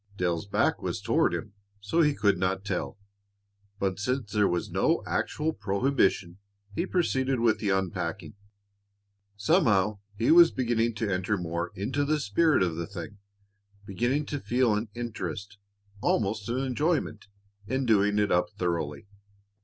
Dale's back was toward him, so he could not tell, but since there was no actual prohibition, he proceeded with the unpacking. Somehow he was beginning to enter more into the spirit of the thing, beginning to feel an interest, almost an enjoyment, in doing it up thoroughly.